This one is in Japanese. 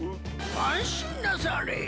安心なされい。